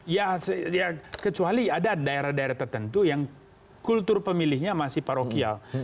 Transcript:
ya kecuali ada daerah daerah tertentu yang kultur pemilihnya masih parokial